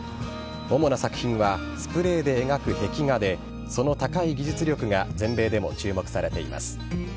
主な作品はスプレーで描く壁画でその高い技術力が全米でも注目されています。